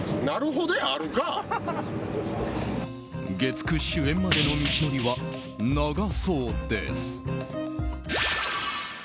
月９主演までの道のりは長そうです。